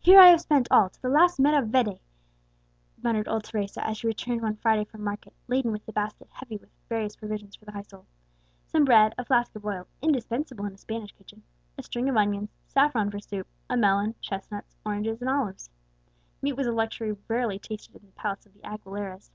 "Here, I have spent all, to the last maravedi," muttered old Teresa, as she returned one Friday from market, laden with a basket heavy with various provisions for the household: some bread, a flask of oil (indispensable in a Spanish kitchen), a string of onions, saffron for soup, a melon, chestnuts, oranges, and olives. Meat was a luxury rarely tasted in the palace of the Aguileras.